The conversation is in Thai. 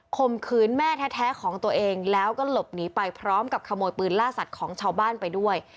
มขืนแม่แท้ของตัวเองแล้วก็หลบหนีไปพร้อมกับขโมยปืนล่าสัตว์ของชาวบ้านไปด้วย